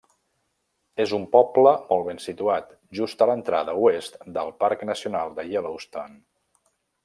És un poble molt ben situat, just a l'entrada oest del Parc Nacional de Yellowstone.